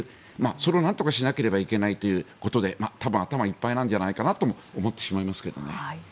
それをなんとかしなければいけないということで多分、頭がいっぱいなんじゃないかなとも思ってしまいますけどね。